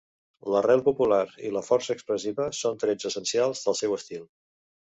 L'arrel popular i la força expressiva són trets essencials del seu estil.